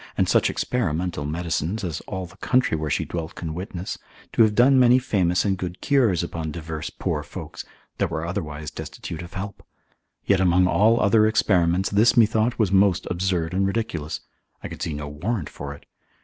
and such experimental medicines, as all the country where she dwelt can witness, to have done many famous and good cures upon diverse poor folks, that were otherwise destitute of help: yet among all other experiments, this methought was most absurd and ridiculous, I could see no warrant for it.